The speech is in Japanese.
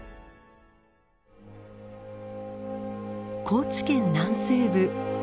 高知県南西部